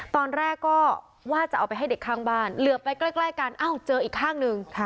ตอนแรกก็ว่าจะเอาไปให้เด็กข้างบ้านเหลือไปใกล้กันอ้าวเจออีกข้างหนึ่ง